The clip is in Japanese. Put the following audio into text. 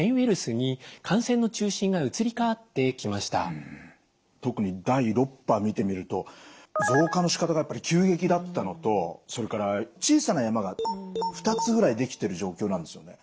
国内では特に第６波見てみると増加のしかたがやっぱり急激だったのとそれから小さな山が２つぐらいできてる状況なんですよね。